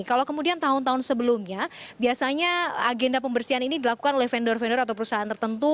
kalau kemudian tahun tahun sebelumnya biasanya agenda pembersihan ini dilakukan oleh vendor vendor atau perusahaan tertentu